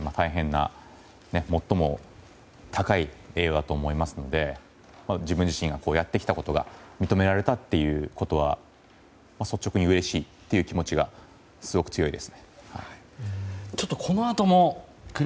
最も高い栄誉だと思いますので自分自身がやってきたことが認められたということは率直にうれしいという気持ちがすごく強いです。